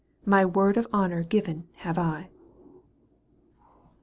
My word of honour given have I.